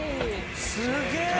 すげえ！